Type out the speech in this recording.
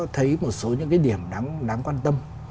thấy một số những cái điểm đáng quan tâm